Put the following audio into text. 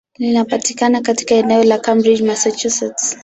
Linapatikana katika eneo la Cambridge, Massachusetts.